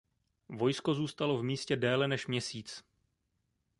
Vojsko zůstalo v místě déle než měsíc.